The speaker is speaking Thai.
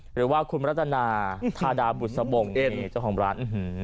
หรือว่าคุณรัตนาธาดาบุษบงเจ้าของร้าน